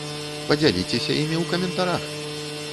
Падзяліцеся імі ў каментарах!